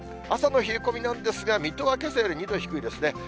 朝の冷え込みなんですが、水戸がけさより２度低いですね。